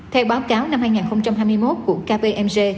theo báo cáo năm hai nghìn hai mươi một của kng